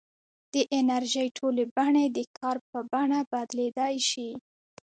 د انرژۍ ټولې بڼې د کار په بڼه بدلېدای شي.